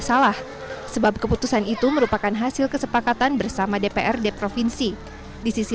salah sebab keputusan itu merupakan hasil kesepakatan bersama dprd provinsi di sisi